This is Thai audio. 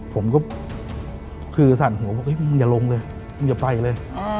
ผมก็คือสั่นหัวบอกมึงอย่าลงเลยมึงอย่าไปเลย